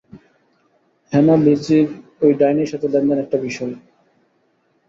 Hannah, লিজির ঐ ডাইনির সাথে লেনদেন একটা বিষয়।